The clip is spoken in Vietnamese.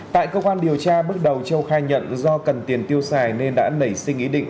tại cơ quan điều tra bước đầu châu khai nhận do cần tiền tiêu xài nên đã nảy sinh ý định